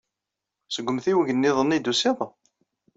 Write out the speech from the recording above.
Seg umtiweg niḍen ay d-tusid?